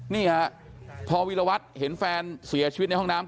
นี่ฮะพอวีรวัตรเห็นแฟนเสียชีวิตในห้องน้ำ